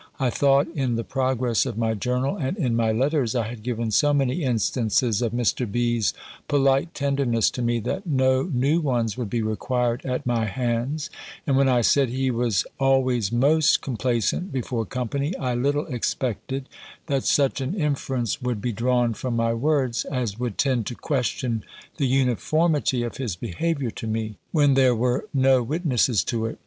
I thought, in the progress of my journal, and in my letters, I had given so many instances of Mr. B.'s polite tenderness to me, that no new ones would be required at my hands; and when I said he was always most complaisant before company, I little expected, that such an inference would be drawn from my words, as would tend to question the uniformity of his behaviour to me, when there were no witnesses to it.